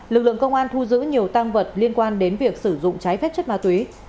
lực lượng công an thu giữ nhiều tăng vật liên quan đến việc sử dụng trái phép chất ma túy